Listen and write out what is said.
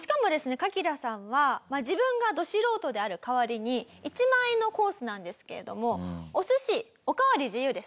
カキダさんは自分がド素人である代わりに１万円のコースなんですけれどもお寿司おかわり自由です。